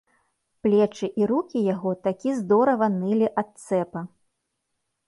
Плечы і рукі яго такі здорава нылі ад цэпа.